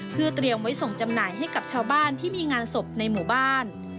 เพื่อเตรียมไว้ส่งจำหน่ายให้กับชาวบ้านที่มีงานศพในหมู่บ้าน